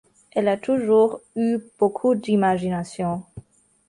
Elle a toujours eu beaucoup d’imagination.